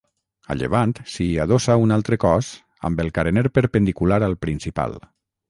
A llevant s'hi adossa un altre cos amb el carener perpendicular al principal.